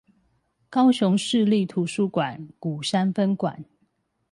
高雄市立圖書館鼓山分館